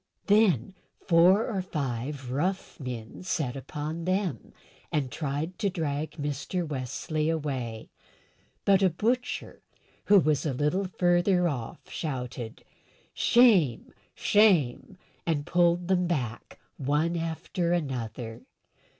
Then four or five rough men set upon them, and tried to drag Mr. Wesley away; but a butcher, who was a little further off, shouted, "Shame! shame!" and pulled them back one after another.